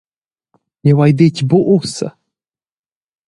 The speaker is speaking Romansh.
Jeu hai detg buc ussa!